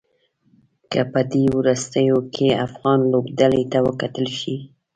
که په دې وروستيو کې افغان لوبډلې ته وکتل شي.